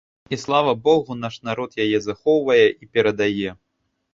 І слава богу, наш народ яе захоўвае і перадае.